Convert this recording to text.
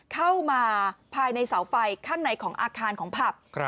เข้ามาภายในเสาไฟข้างในของอาคารของผับ